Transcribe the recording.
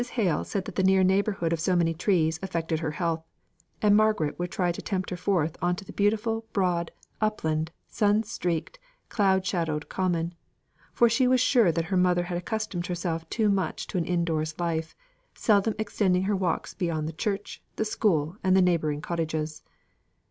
Hale said that the near neighbourhood of so many trees affected her health; and Margaret would try to tempt her forth on to the beautiful, broad, upland, sun streaked, cloud shadowed common; for she was sure that her mother had accustomed herself too much to an in doors life, seldom extending her walks beyond the church, the school, and the neighbouring cottages.